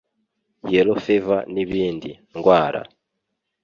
Yellow Fever n'ibindi. ndwara